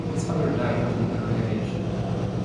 His father died at an early age.